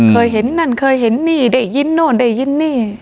เคยเห็นนั่นเคยเห็นนี่ได้ยินโน่นได้ยินนี่